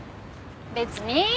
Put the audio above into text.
別に。